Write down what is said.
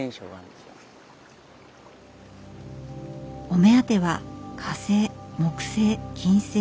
お目当ては火星木星